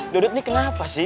dudut ini kenapa sih